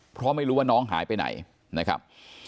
เพราะไม่รู้ว่าน้องหายไปไหนนะครับ